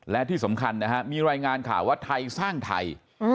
และที่สำคัญนะฮะมีรายงานข่าวว่าไทยสร้างไทย